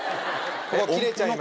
ここ切れちゃいました。